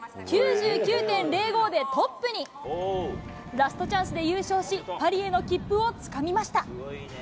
ラストチャンスで優勝し、パリへの切符をつかみました。